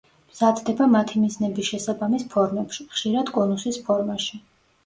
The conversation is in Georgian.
მზადდება მათი მიზნების შესაბამის ფორმებში, ხშირად კონუსის ფორმაში.